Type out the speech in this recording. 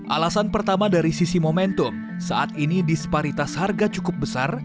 alasan pertama dari sisi momentum saat ini disparitas harga cukup besar